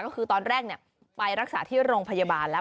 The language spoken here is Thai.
ก็คือตอนแรกไปรักษาที่โรงพยาบาลแล้ว